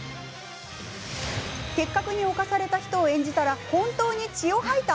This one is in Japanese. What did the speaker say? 結核に侵された人を演じたら本当に血を吐いた。